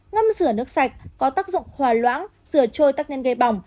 ngâm rửa nước sạch có tác dụng hòa loãng rửa trôi tắc nhanh gây bỏng